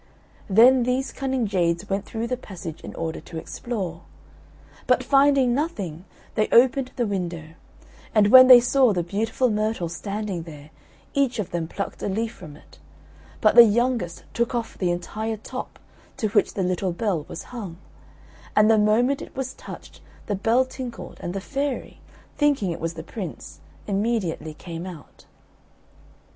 Then these cunning jades went through the passage in order to explore. But finding nothing, they opened the window; and when they saw the beautiful myrtle standing there, each of them plucked a leaf from it; but the youngest took off the entire top, to which the little bell was hung; and the moment it was touched the bell tinkled and the fairy, thinking it was the Prince, immediately came out.